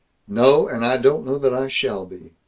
"No. And I don't know that I shall be.